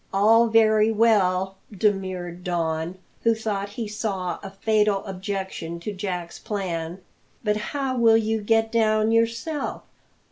"All very well," demurred Don, who thought he saw a fatal objection to Jack's plan, "but how will you get down yourself?"